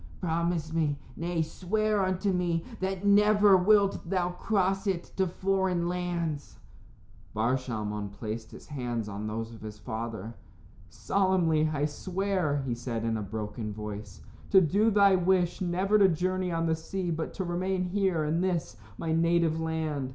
Promise me nay, swear unto me that never wilt thou cross it to foreign lands." Bar Shalmon placed his hands on those of his father. "Solemnly I swear," he said, in a broken voice, "to do thy wish never to journey on the sea, but to remain here in this, my native land.